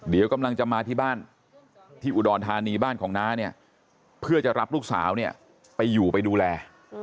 เดี๋ยวกำลังจะมาที่บ้านที่อุดรธานีบ้านของน้าเนี่ยเพื่อจะรับลูกสาวเนี่ยไปอยู่ไปดูแล